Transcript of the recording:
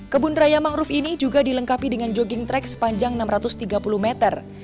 kebun raya mangrove ini juga dilengkapi dengan jogging track sepanjang enam ratus tiga puluh meter